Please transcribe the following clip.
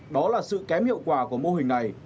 đó là sự kém hiệu quả của mô hình này